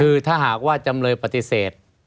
คือถ้าหากว่าจำเลยปฏิเสธ